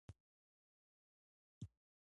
تحقیقاتو وظیفه وسپارله شوه.